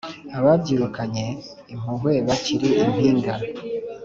ababyirukanye impuhwe bakiri i mpinga